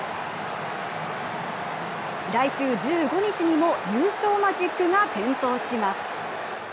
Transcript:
来週１５日にも優勝マジックが点灯します。